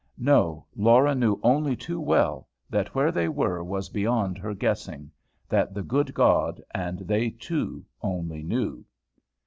No! Laura knew only too well, that where they were was beyond her guessing; that the good God and they two only knew.